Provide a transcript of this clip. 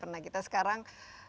pernah kita sekarang